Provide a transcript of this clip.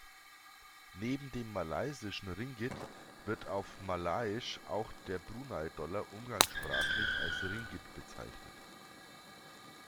Neben dem malaysischen Ringgit wird auf Malaiisch auch der Brunei-Dollar umgangssprachlich als Ringgit bezeichnet.